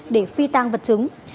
để phi tăng vật chứng